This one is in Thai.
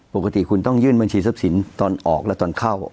ปกติคุณต้องยื่นบัญชีทรัพย์สินตอนออกและตอนเข้า